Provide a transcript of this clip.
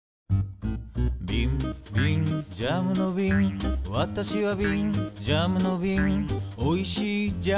「びんびんジャムのびんわたしはびん」「ジャムのびんおいしいジャムをいれていた」